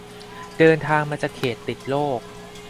เดินทางมาจากเขตติดโรค